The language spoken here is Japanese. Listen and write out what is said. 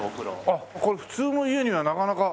あっこれ普通の家にはなかなか。